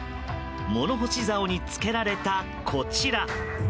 物干しざおにつけられたこちら。